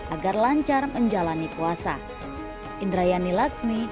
agar lancar menjalani puasa